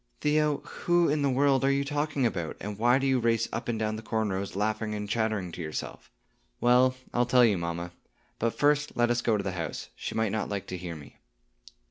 "Theo, who in the world are you talking about; and why do you race up and down the corn rows, laughing and chattering to yourself?" "Well, I'll tell you, mamma; but first let us go to the house; she might not like to hear me."